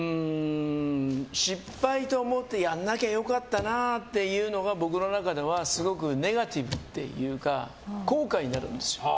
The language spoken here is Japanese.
失敗と思ってやんなきゃ良かったなというのは僕の中ではすごくネガティブっていうか後悔になるんですよ。